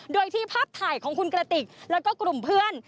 โดยที่ภาพถ่ายของคุณกระติกแล้วก็กลุ่มเพื่อน